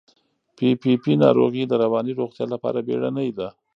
پي پي پي ناروغي د رواني روغتیا لپاره بیړنۍ ده.